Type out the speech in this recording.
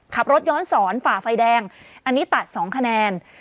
ขับรถย้อนสอนฝ่าไฟแดงอันนี้ตัด๒คะแนน